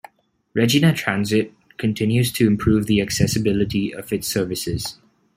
Regina Transit continues to improve the accessibility of its services.